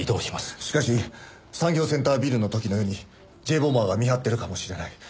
しかし産業センタービルの時のようにＪ・ボマーが見張ってるかもしれない。